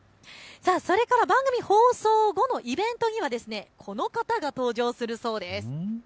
それから番組放送後のイベントにはこの方が登場するそうです。